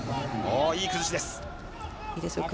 いい崩しでした。